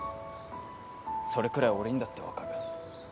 それくらい俺にだって分かる。